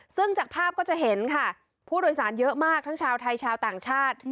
ซึ่งจากภาพก็จะเห็นค่ะผู้โดยสารเยอะมากทั้งชาวไทยชาวต่างชาติ